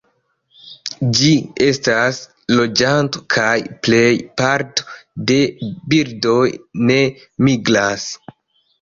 Ĝi estas loĝanto, kaj plej parto de birdoj ne migras.